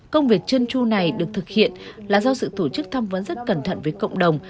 công việc chân chu này được thực hiện là do sự tổ chức tham vấn rất cẩn thận với cộng đồng